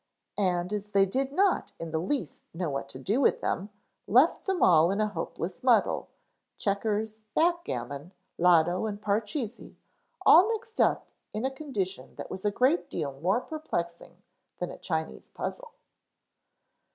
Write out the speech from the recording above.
And as they did not in the least know what to do with them left them all in a hopeless muddle, checkers, back gammon, lotto and parcheesi, all mixed up in a condition that was a great deal more perplexing than a Chinese puzzle.